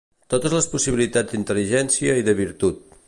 totes les possibilitats d'inteligència i de virtut